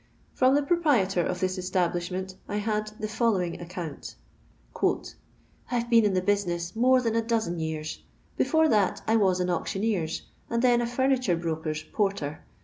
From the proprietor of this establishment I had the following account :—" I 've been in the business more than a dozen yean. Before that, I was an auctioneer's, and then a furniture broker's, porter.